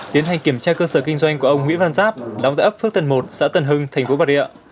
tiến hành kiểm tra cơ sở kinh doanh của ông nguyễn văn giáp đóng tại ấp phước tân một xã tân hưng thành phố bà rịa